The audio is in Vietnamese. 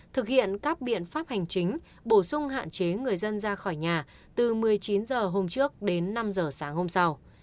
thực hiện các biện pháp hành chính bổ sung hạn chế người dân ra khỏi nhà từ một mươi chín h hôm trước đến năm h sáng hôm sau